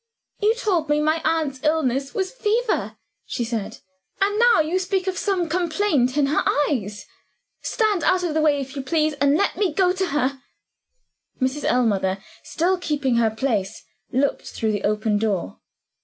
"You told me my aunt's illness was fever," she said "and now you speak of some complaint in her eyes. Stand out of the way, if you please, and let me go to her." Mrs. Ellmother, still keeping her place, looked through the open door.